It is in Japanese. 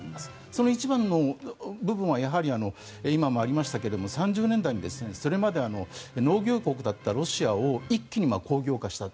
その一番の部分はやはり今もありましたけれど３０年代にそれまで農業国だったロシアを一気に工業化した。